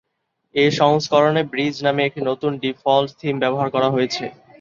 এ সংস্করণে ব্রিজ নামে একটি নতুন ডিফল্ট থিম ব্যবহার করা হয়েছে।